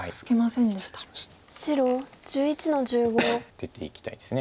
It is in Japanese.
出ていきたいです。